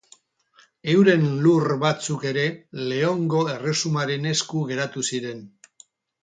Euren lur batzuk ere Leongo erresumaren esku geratu ziren.